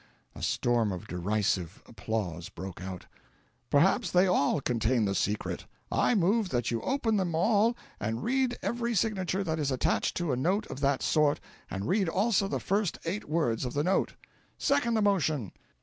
A storm of derisive applause broke out. "Perhaps they all contain the secret. I move that you open them all and read every signature that is attached to a note of that sort and read also the first eight words of the note." "Second the motion!"